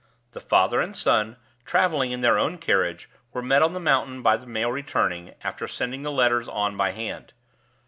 The father and son, traveling in their own carriage, were met on the mountain by the mail returning, after sending the letters on by hand.